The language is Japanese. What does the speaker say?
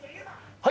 はい！